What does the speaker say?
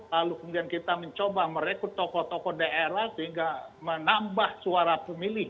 lalu kemudian kita mencoba merekrut tokoh tokoh daerah sehingga menambah suara pemilih